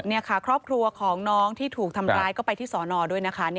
นี่ค่ะครอบครัวของน้องที่ถูกทำร้ายก็ไปที่สอนอด้วยนะคะ